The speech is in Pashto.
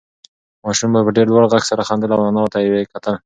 ماشوم په ډېر لوړ غږ سره خندل او انا ته یې کتل.